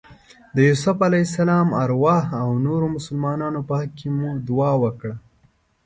د یوسف علیه السلام ارواح او نورو مسلمانانو په حق کې مو دعا وکړه.